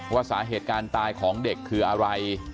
สาเหตุการณ์ตายของเด็กคืออะไร